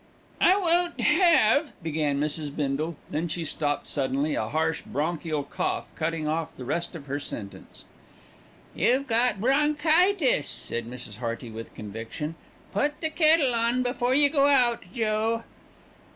"I won't have " began Mrs. Bindle, then she stopped suddenly, a harsh, bronchial cough cutting off the rest of her sentence. "You've got bronchitis," said Mrs. Hearty with conviction. "Put the kettle on before you go out, Joe."